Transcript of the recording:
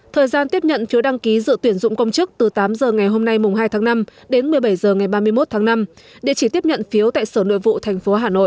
thời gian tiếp nhận phiếu đăng ký dự tuyển dụng công chức từ tám h ngày hôm nay mùng hai tháng năm đến một mươi bảy h ngày ba mươi một tháng năm địa chỉ tiếp nhận phiếu tại sở nội vụ tp hà nội